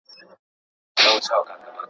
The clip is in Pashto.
زه پرون قلم استعمالوم کړ!